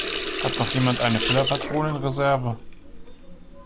Hat noch jemand eine Füllerpatrone in Reserve?